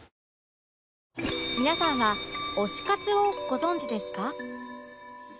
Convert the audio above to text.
皆さんは推し活をご存じですか？